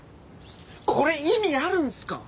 これ意味あるんすか！？